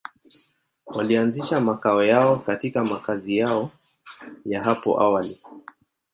Walianzisha makao yao katika makazi yao ya hapo awali.